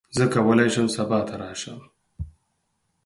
زه کولی شم سبا ته راشم.